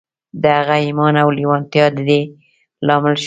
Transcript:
د هغه ايمان او لېوالتیا د دې لامل شول.